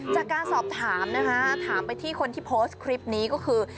จากการสอบถามนะคะถามไปที่คนที่โพสต์คลิปนี้ก็คือ